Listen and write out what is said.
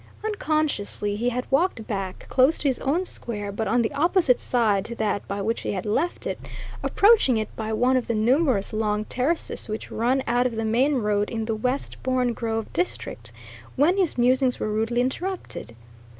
Unconsciously he had walked back close to his own Square, but on the opposite side to that by which he had left it, approaching it by one of the numerous long terraces which run out of the main road in the Westbourne Grove district when his musings were rudely interrupted.